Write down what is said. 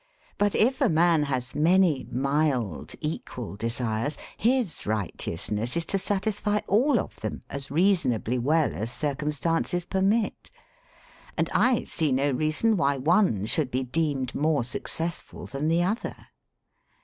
But if a man has many mild, equal desires, his righteousness is to satisfy all of them as reasonably well as circumstances permit. And I see no reason why one should be deemed more successful than the other.